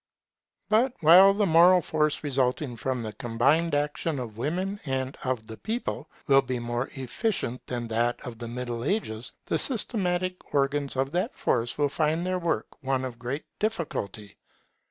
But while the moral force resulting from the combined action of women and of the people, will be more efficient than that of the Middle Ages, the systematic organs of that force will find their work one of great difficulty.